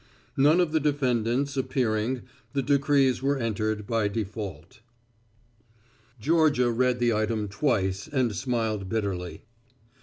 None of the defendants appearing, the decrees were entered by default. Georgia read the item twice and smiled bitterly.